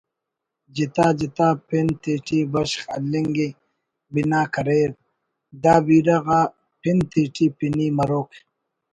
جتا جتا پن تیٹی بشخ ہلنگءِ بنا کریر دا بیرہ غا پن تیٹی پنی مروک